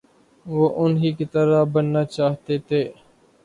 وہ انہی کی طرح بننا چاہتے تھے۔